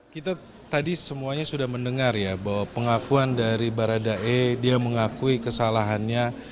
kita tadi semuanya sudah mendengar ya bahwa pengakuan dari baradae dia mengakui kesalahannya